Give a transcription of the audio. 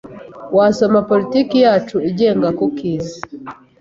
wasoma politiki yacu igenga cookies.